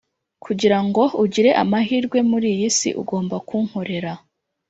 kugira ngo ugire amahirwe mur’iyi si ugomba kunkorera